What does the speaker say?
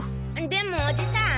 でもおじさん！